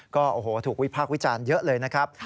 ก็โอ้โหถูกวิพากษ์วิจารณ์เยอะเลยนะครับ